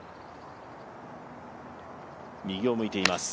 右を向いています。